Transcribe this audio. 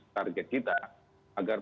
target kita agar